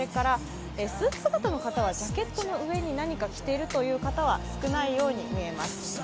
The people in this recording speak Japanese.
スーツ姿の方はジャケットの上に何か着ているという方は少ないように見えます。